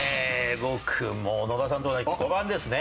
僕も野田さんと同じ５番ですね。